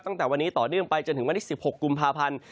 ตั้งแต่วันนี้ต่อเนื่องไปจนถึงวันที่๑๖กุมภาพันธ์